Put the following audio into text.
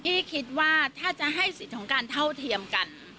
พี่คิดว่าถ้าจะให้สิทธิ์ของการเท่าเทียมกัน